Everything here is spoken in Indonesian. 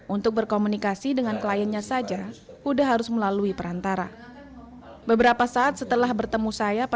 untuk berkomunikasi dengan kliennya saja uda harus melalui perantara beberapa saat setelah bertemu saya